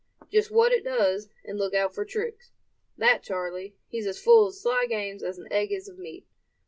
"Just what it does, and look out for tricks. That Charley, he's as full of sly games as an egg is of meat.